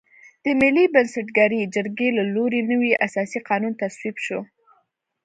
د ملي بنسټګرې جرګې له لوري نوی اساسي قانون تصویب شو.